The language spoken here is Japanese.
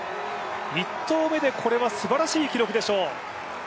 １投目でこれはすばらしい記録でしょう。